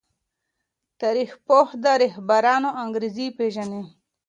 تاريخ پوه د رهبرانو انګېزې پېژني.